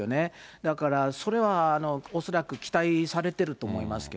だからそれはおそらく期待されてると思いますけど。